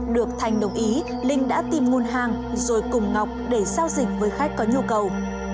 được thành đồng ý linh đã tìm nguồn hàng rồi cùng ngọc để giao dịch với khách có nhu cầu